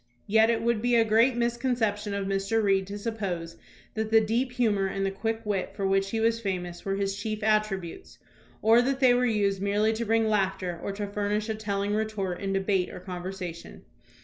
Yet it would be a great misconception of Mr. Reed to suppose that the deep humor and the quick wit for which he was famous were his chief attributes, or that they were used merely to bring laughter or to furnish a teUing retort in debate or conversation.